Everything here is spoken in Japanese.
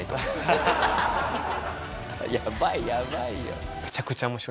やばいやばいよ。